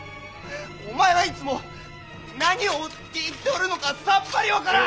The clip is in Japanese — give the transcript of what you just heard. お前はいつも何を言っておるのかさっぱり分からん！